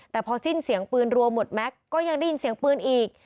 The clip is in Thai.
แต่พอสิ้นเสียงปืนรัวหมดแม็กซ์ก็ยังได้ยินเสียงปืนอีก